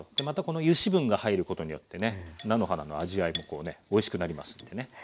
またこの油脂分が入ることによってね菜の花の味わいもおいしくなりますんでね。